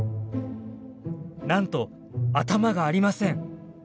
なんと頭がありません！